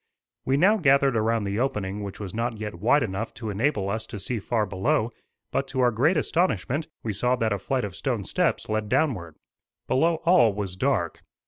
We now gathered around the opening which was not yet wide enough to enable us to see far below; but to our great astonishment we saw that a flight of stone steps led downward. Below all was dark.